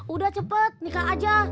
udah cepet nikah aja